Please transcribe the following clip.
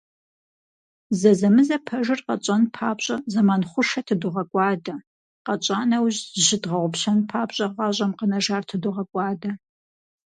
Зэзэмызэ пэжыр къэтщӏэн папщӏэ зэман хъушэ тыдогъэкӏуадэ, къэтщӏа нэужь, зыщыдгъэгъупщэн папщӏэ гъащӏэм къэнэжар тыдогъэкӏуадэ.